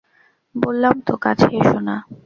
বললাম তো কাছে এসো না।